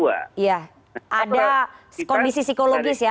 ada kondisi psikologis ya